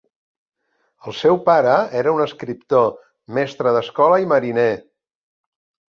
El seu pare era un escriptor, mestre d'escola i mariner.